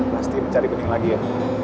pasti mencari bening lagi ya